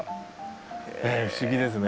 不思議ですね。